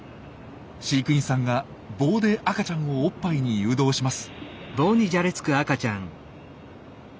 飼育員さんが棒で赤ちゃんをおっぱいに誘導します。